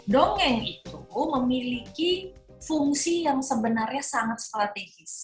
dongeng itu memiliki fungsi yang sebenarnya sangat strategis